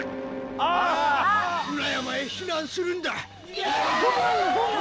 「裏山へ避難するんだ」